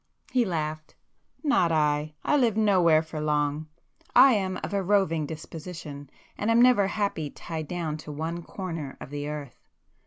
He laughed. "Not I! I live nowhere for long. I am of a roving disposition, and am never happy tied down to one corner of the earth.